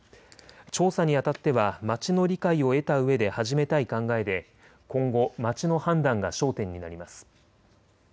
調査にあたっては町の理解を得たうえで始めたい考えで今後、町の判断が焦点になります。